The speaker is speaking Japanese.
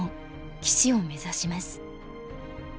棋士を目指します。